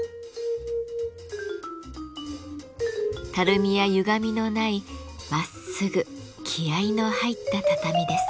たるみやゆがみのないまっすぐ気合いの入った畳です。